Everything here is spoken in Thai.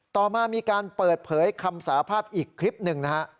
ต่อมามีการเปิดเผยคำสาภาพอีกคลิปหนึ่งนะฮะ